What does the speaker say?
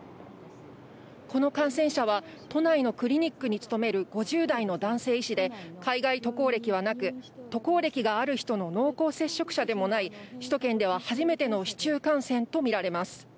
この感染者は、都内のクリニックに勤める５０代の男性医師で、海外渡航歴はなく、渡航歴がある人の濃厚接触者でもない、首都圏では初めての市中感染と見られます。